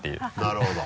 なるほど。